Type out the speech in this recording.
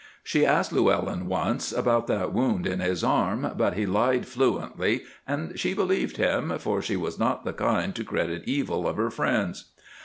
She asked Llewellyn once about that wound in his arm, but he lied fluently, and she believed him, for she was not the kind to credit evil of her friends.